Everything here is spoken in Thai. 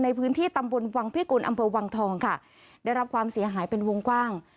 ในพื้นที่ตำบลวังพิกุลอำเภอวังทองค่ะได้รับความเสียหายเป็นวงกว้าง